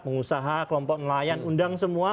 pengusaha kelompok nelayan undang semua